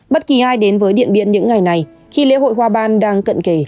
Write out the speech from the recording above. bất kỳ ai đến với điện biên những ngày này khi lễ hội hoa ban đang cận kề